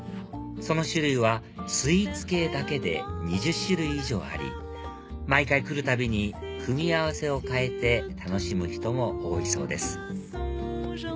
その種類はスイーツ系だけで２０種類以上あり毎回来るたびに組み合わせを替えて楽しむ人も多いそうです